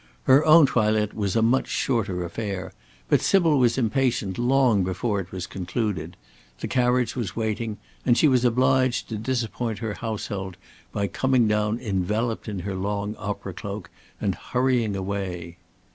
Her own toilet was a much shorter affair, but Sybil was impatient long before it was concluded; the carriage was waiting, and she was obliged to disappoint her household by coming down enveloped in her long opera cloak, and hurrying away.